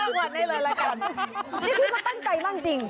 เดี่ยวพี่พี่เขาตั้งใจมากจริง